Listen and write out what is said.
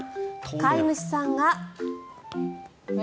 飼い主さんが。